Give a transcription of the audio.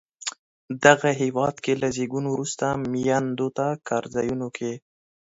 دغه هېواد کې له زیږون وروسته میندو ته کار ځایونو کې